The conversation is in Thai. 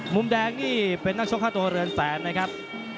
มุมแดงนี่เป็นนักชกค่าตัวเรือนแสนนะครับ